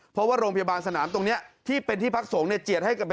เพราะว่าโรงพยาบาลสนามตรงนี้ที่เป็นที่พักโสงไหนจิตให้ให้ไป